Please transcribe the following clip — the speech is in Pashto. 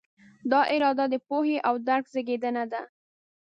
دا اراده د پوهې او درک زېږنده ده.